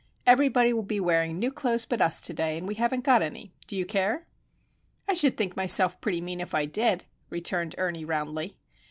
Everybody will be wearing new clothes but us to day, and we haven't got any. Do you care?" "I should think myself pretty mean if I did," returned Ernie, roundly.